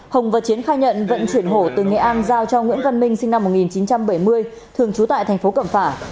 hồng và chiến khai nhận vận chuyển hổ từ nghệ an giao cho nguyễn văn minh sinh năm một nghìn chín trăm bảy mươi thường trú tại thành phố cẩm phả